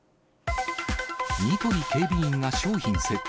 ニトリ警備員が商品窃盗。